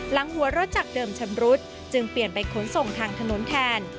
หลังหัวรถจากเดิมชำรุดจึงเปลี่ยนไปขนส่งทางถนนแทน